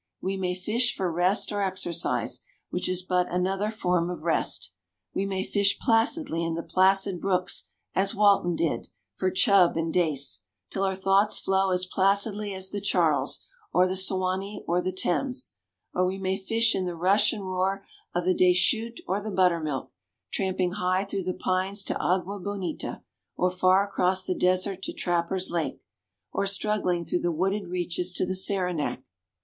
We may fish for rest or exercise, which is but another form of rest. We may fish placidly in the placid brooks as Walton did, for chub and dace, till our thoughts flow as placidly as the Charles, or the Suwanee, or the Thames. Or we may fish in the rush and roar of the Des Chutes or the Buttermilk, tramping high through the pines to Agua Bonita, or far across the desert to Trapper's Lake, or struggling through the wooded reaches to the Saranac.